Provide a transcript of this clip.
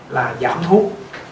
là giảm thuốc